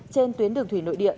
trên tuyến đường thủy nội địa